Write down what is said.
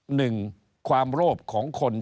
หนึ่งความโลภของคน